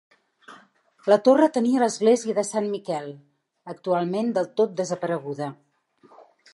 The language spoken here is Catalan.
La Torre tenia l'església de Sant Miquel, actualment del tot desapareguda.